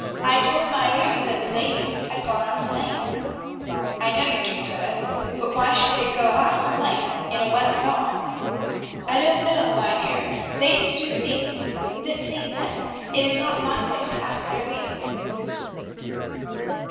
"I told Mynheer that the ladies had gone out sleighing." "I know you did, Greta; but why should they go out sleighing in a wet thaw?" "I don't know, Mynheer. Ladies do those things that please them. It is not my place to ask their reasons."